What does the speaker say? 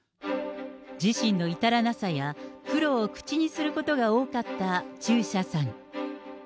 自身の至らなさや、苦労を口にすることが多かった中車さん。